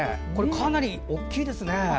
かなり大きいですね。